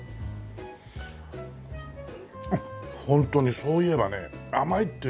ホントにそういえばね甘いっていうんじゃなくてね